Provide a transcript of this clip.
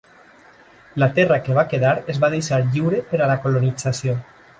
La terra que va quedar es va deixar lliure per a la colonització.